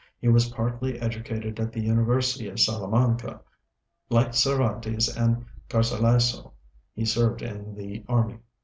He was partly educated at the University of Salamanca. Like Cervantes and Garcilaso, he served in the army.